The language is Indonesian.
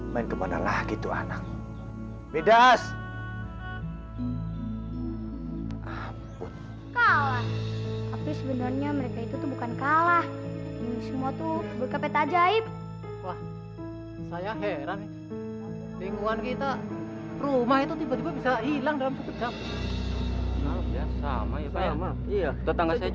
maaf pak kades